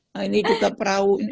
nah ini juga perahu ini